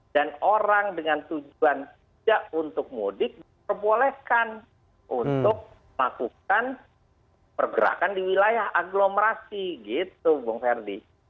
dan orang dengan tujuan tidak untuk mudik diperbolehkan untuk melakukan pergerakan di wilayah agglomerasi gitu bung ferdi